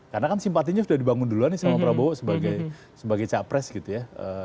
karena kan simpatinya sudah dibangun dulu nih sama prabowo sebagai capres gitu ya